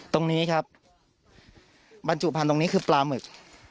ตรงนี้ครับบรรจุพันธุ์ตรงนี้คือปลาหมึก